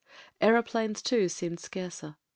Aeroplanes, too, seemed scarcer.